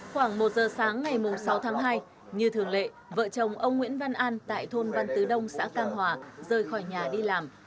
khoảng một giờ sáng ngày sáu tháng hai như thường lệ vợ chồng ông nguyễn văn an tại thôn văn tứ đông xã cam hòa rời khỏi nhà đi làm